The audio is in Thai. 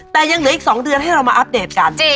แต่ยังเหลืออีก๒เดือนให้เรามาอัปเดตกัน